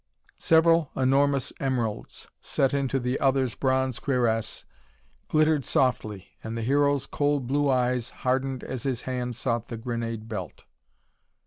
Several enormous emeralds set into the other's bronze cuirasse glittered softly and the Hero's cold blue eyes hardened as his hand sought the grenade belt.